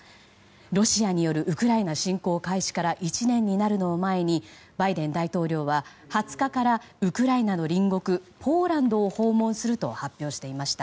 ロシアによるウクライナ侵攻開始から１年になるのを前にバイデン大統領は２０日からウクライナの隣国ポーランドを訪問すると発表していました。